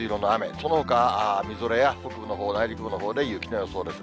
そのほか、みぞれや、北部のほう、内陸部のほうで雪の予想ですね。